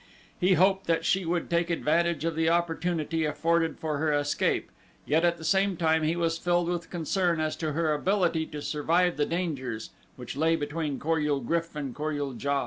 He hoped that she would take advantage of the opportunity afforded her for escape, yet at the same time he was filled with concern as to her ability to survive the dangers which lay between Kor ul GRYF and Kor ul JA.